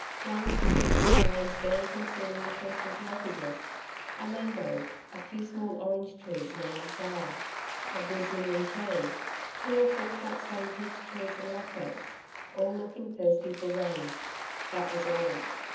Young passion fruit vines barely concealing the fences' nakedness, a mango, a few small orange trees now in flower. A Brazilian cherry, two or three flat stone peach trees and loquets all looking thirsty for rain that was all.